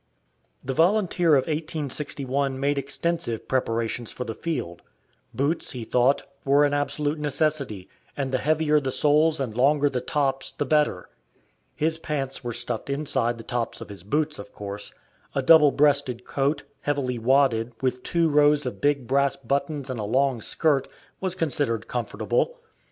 The volunteer of 1861 made extensive preparations for the field. Boots, he thought, were an absolute necessity, and the heavier the soles and longer the tops the better. His pants were stuffed inside the tops of his boots, of course. A double breasted coat, heavily wadded, with two rows of big brass buttons and a long skirt, was considered comfortable.